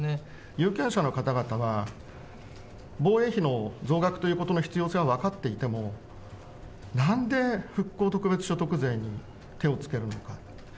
有権者の方々は、防衛費の増額ということの必要性は分かっていても、なんで復興特別所得税に手をつけるのか。